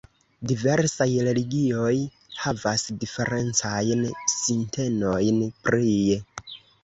Diversaj religioj havas diferencajn sintenojn prie.